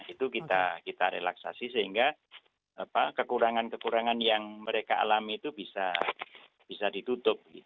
itu kita relaksasi sehingga kekurangan kekurangan yang mereka alami itu bisa ditutup